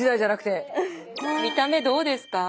見た目どうですか？